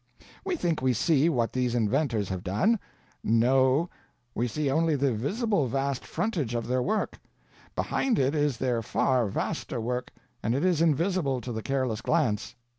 We think we see what these inventors have done: no, we see only the visible vast frontage of their work; behind it is their far vaster work, and it is invisible to the careless glance.